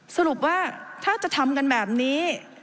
สรุปว่าถ้าจะทำกันแบบนี้